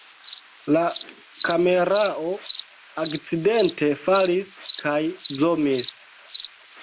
La kamerao akcidente falis kaj zomis